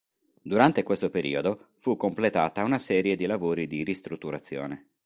Durante questo periodo, fu completata una serie di lavori di ristrutturazione.